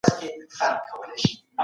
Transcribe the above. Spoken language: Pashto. کمپيوټر موسيقي جوړوي.